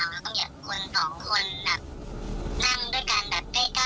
แล้วก็ต่อมารู้ว่าแบบถามผมนั่นแหละประมาณนั้นแหละ